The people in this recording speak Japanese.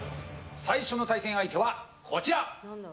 最初の対戦相手はこちら。